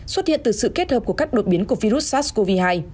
xuất hiện từ sự kết hợp của các đột biến của virus sars cov hai